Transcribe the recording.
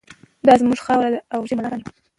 دا زموږ خاوره ده او موږ یې مالکان یو.